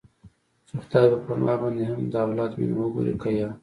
چې خداى به په ما باندې هم د اولاد مينه وګوري که يه.